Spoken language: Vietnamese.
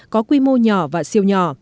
có quy mô nhỏ và siêu nhỏ